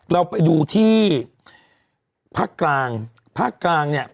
เราไปดูที่ภาคกลางภาคกลางเนี่ย